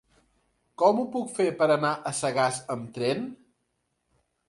Com ho puc fer per anar a Sagàs amb tren?